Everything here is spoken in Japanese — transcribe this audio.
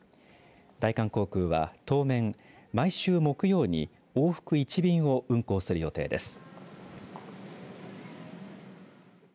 大韓航空は当面、毎週木曜に往復１便を運航する予定です。